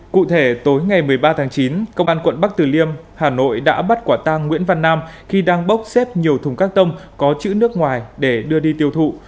cụ thể tối ngày một mươi ba tháng chín công an quận bắc từ liêm hà nội đã bắt quả tang nguyễn văn nam khi đang bốc xếp nhiều thùng các tông có chữ nước ngoài để đưa đi tiêu thụ